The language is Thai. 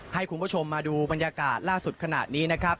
ให้คุณผู้ชมมาดูบรรยากาศล่าสุดขณะนี้นะครับ